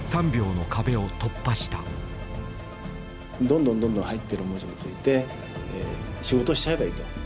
どんどんどんどん入ってる文字について仕事しちゃえばいいと。